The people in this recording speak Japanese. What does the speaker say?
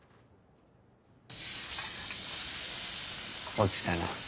落ちたな。